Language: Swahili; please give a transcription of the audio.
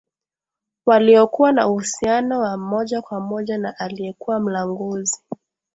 waliokuwa na uhusiano wa moja kwa moja na aliyekuwa mlanguzi